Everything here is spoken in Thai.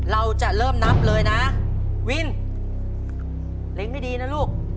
เราจะเริ่มนับเลยนะวินเล็งให้ดีนะลูก